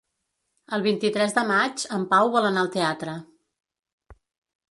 El vint-i-tres de maig en Pau vol anar al teatre.